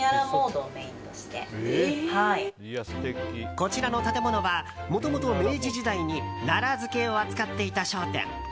こちらの建物はもともと明治時代に奈良漬けを扱っていた商店。